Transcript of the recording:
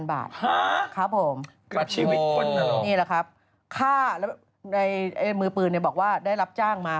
๕๐๐๐บาทครับผมปัจจุนี่แหละครับค่ามือปืนบอกว่าได้รับจ้างมา